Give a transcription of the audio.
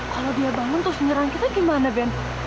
kalau dia bangun terus menyerang kita gimana ben